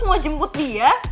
mau jemput dia